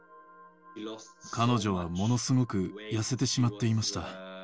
彼女はものすごく痩せてしまっていました。